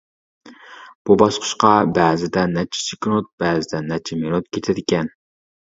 بۇ باسقۇچقا بەزىدە نەچچە سېكۇنت بەزىدە نەچچە مىنۇت كېتىدىكەن.